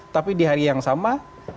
tapi di hari yang sama